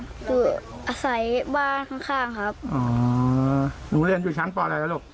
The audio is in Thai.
คืออาศัยบ้านข้างข้างครับอ๋อหนูเรียนอยู่ชั้นปอะไรแล้วลูก